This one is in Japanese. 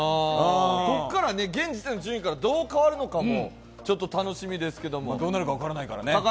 ここから現時点の順位からどう変わるのかも楽しみですけれども。